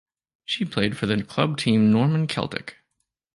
She played for the club team Norman Celtic.